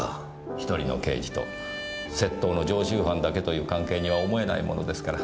１人の刑事と窃盗の常習犯だけという関係には思えないものですから。